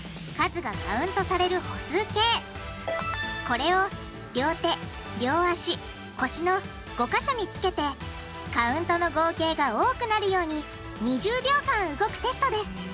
これを両手両足腰の５か所につけてカウントの合計が多くなるように２０秒間動くテストです。